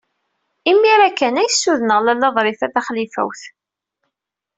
Imir-a kan ay ssudneɣ Lalla Ḍrifa Taxlifawt.